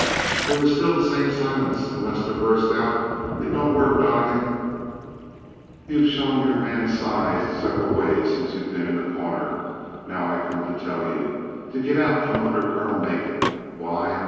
There was still the same silence, and Lester burst out: "It don't work, Donnegan. You've showed you're man sized several ways since you been in The Corner. Now I come to tell you to get out from under Colonel Macon. Why?